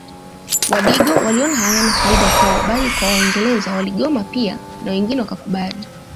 Wadigo waliona hayana faida kwao bali kwa waingereza waligoma pia na wengine wakakubali